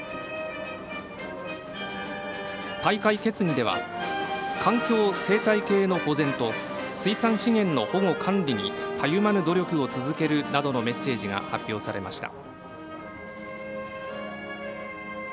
大会決議では環境・生態系の保全と水産資源の保護・管理にたゆまぬ努力を続けるなどのメッセージが発表されました。